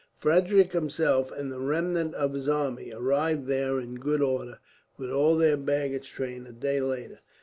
Frederick himself, and the remnant of his army, arrived there in good order, with all their baggage train, a day later.